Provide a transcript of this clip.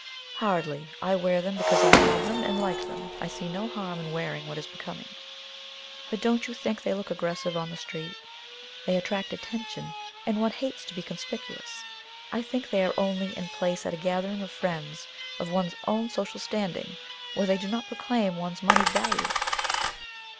"Hardly. I wear them because I have them and like them. I see no harm in wearing what is becoming." "But don't you think they look aggressive on the street? They attract attention; and one hates to be conspicuous. I think they are only in place at a gathering of friends of one's own social standing, where they do not proclaim one's moneyed value."